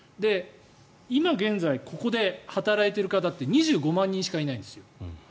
今現在、ここで働いている方って２５万人しかいないんです。